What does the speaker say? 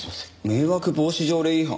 「迷惑防止条例違反」？